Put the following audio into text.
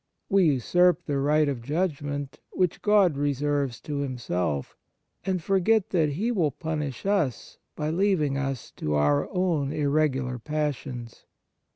We usurp the right of judgment, which God reserves to Himself, and forget that He will punish us by leaving us to our own irregular passions.